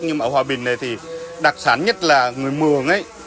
nhưng mà ở hòa bình này thì đặc sản nhất là người mường ấy